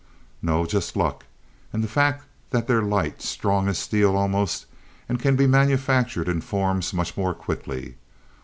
"No just luck and the fact that they're light, strong as steel almost, and can be manufactured in forms much more quickly.